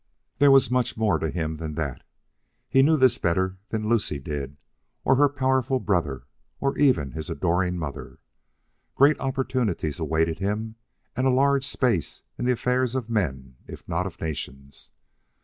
There was much more to him than that. He knew this better than Lucie did or her powerful brother, or even his adoring mother. Great opportunities awaited him and a large space in the affairs of men if not of nations.